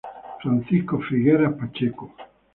Francisco Figueras Pacheco.